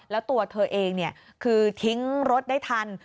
แล้วตัวเธอเองคือทิ้งรถได้ทัน